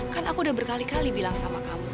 kan aku udah berkali kali bilang sama kamu